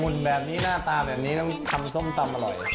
แบบนี้หน้าตาแบบนี้ต้องทำส้มตำอร่อย